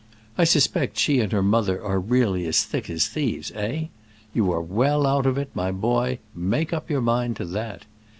I suspect she and her mother are really as thick as thieves, eh? You are well out of it, my boy; make up your mind to that.